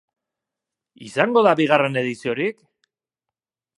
Izango da bigarren ediziorik?